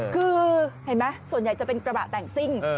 คือเห็นไหมส่วนใหญ่จะเป็นกระบะแต่งซิ่ง